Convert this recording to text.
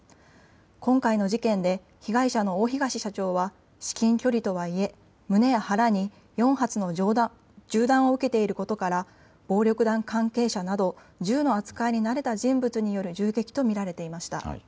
今回の事件で被害者の大東社長は至近距離とはいえ胸や腹に４発の銃弾を受けていることから暴力団関係者など銃の扱いに慣れた人物による銃撃と見られていました。